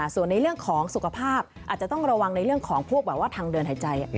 ส่วนในเรื่องของสุขภาพอาจจะต้องระวังในเรื่องของพวกแบบว่าทางเดินหายใจ